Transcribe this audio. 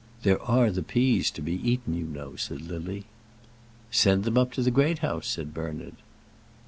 "There are the peas to be eaten, you know," said Lily. "Send them up to the Great House," said Bernard.